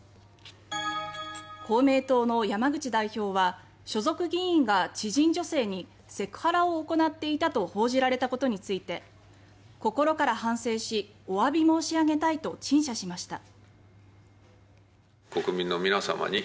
公明党の山口代表は所属議員が知人女性にセクハラを行っていたと報じられたことについて「心から反省しお詫び申し上げたい」と陳謝しました。